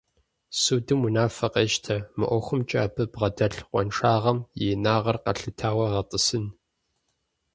Судым унафэ къещтэ: мы ӀуэхумкӀэ абы бгъэдэлъ къуаншагъэм и инагъыр къэлъытауэ гъэтӀысын!